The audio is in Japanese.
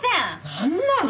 何なの？